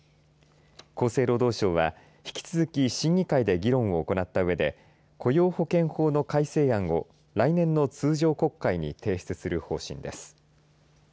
厚生労働省は引き続き審議会で議論を行ったうえで雇用保険法の改正案を来年の通常国会に提出する方針です。